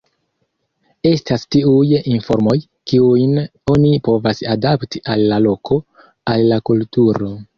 Estas tiuj informoj, kiujn oni povas adapti al la loko, al la kulturo.